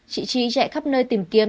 chị chi chạy khắp nơi tìm kiếm